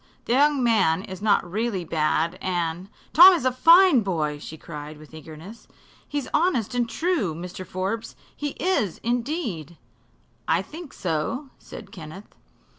The young man is not really bad, and " "Tom's a fine boy!" she cried, with eagerness. "He's honest and true, Mr. Forbes he is, indeed!" "I think so," said Kenneth.